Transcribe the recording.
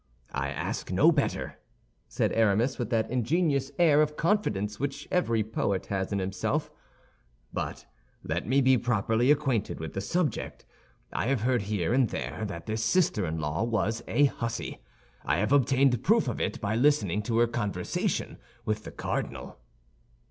"I ask no better," said Aramis, with that ingenious air of confidence which every poet has in himself; "but let me be properly acquainted with the subject. I have heard here and there that this sister in law was a hussy. I have obtained proof of it by listening to her conversation with the cardinal."